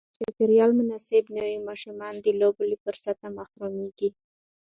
که چاپېریال مناسب نه وي، ماشومان د لوبو له فرصت محروم کېږي.